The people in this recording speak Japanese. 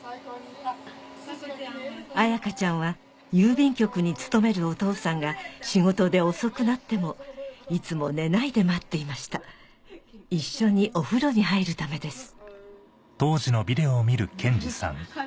彩花ちゃんは郵便局に勤めるお父さんが仕事で遅くなってもいつも寝ないで待っていました一緒にお風呂に入るためです